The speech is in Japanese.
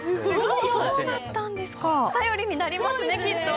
頼りになりますねきっと！